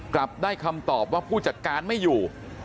กลับได้คำตอบว่าผู้จัดการไม่อยู่